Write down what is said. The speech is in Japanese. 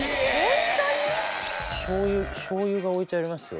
しょうゆが置いてありますよ。